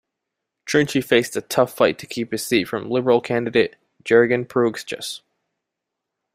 Trynchy faced a tough fight to keep his seat from Liberal candidate Jurgen Preugschas.